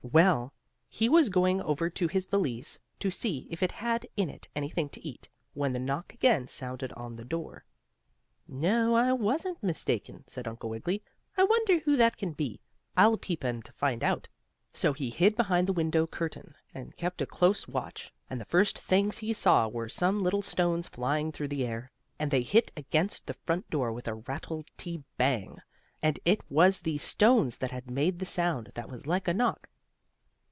Well, he was going over to his valise to see if it had in it anything to eat, when the knock again sounded on the door. "No, I wasn't mistaken," said Uncle Wiggily. "I wonder who that can be? I'll peep, and find out." So he hid behind the window curtain, and kept a close watch, and the first things he saw were some little stones flying through the air. And they hit against the front door with a rattlety bang, and it was these stones that had made the sound that was like a knock.